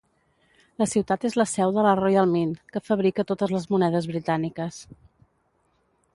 La ciutat és la seu de la Royal Mint, que fabrica totes les monedes britàniques.